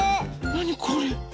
なにこれ。